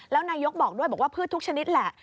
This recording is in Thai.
แล้วนายกบอกด้วยบอกว่าพืชทุกชนิดแหละ